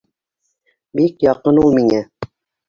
Бик яҡын ул миңә.